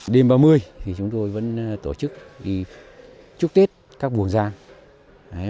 đêm ba mươi thì chúng tôi vẫn tổ chức chúc tết các buồn gian